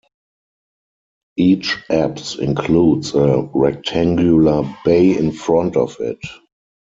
Each apse includes a rectangular bay in front of it.